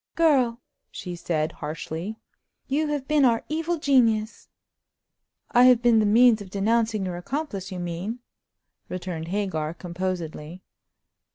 "Girl!" she said, harshly, "you have been our evil genius!" "I have been the means of denouncing your accomplice, you mean," returned Hagar, composedly.